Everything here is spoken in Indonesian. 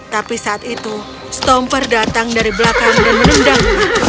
tapi saat itu stomper datang dari belakang dan menendang